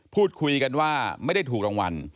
พูดคุยกันว่าไม่ได้ถูกรางวัล